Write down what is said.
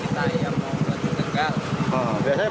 biasanya berapa jam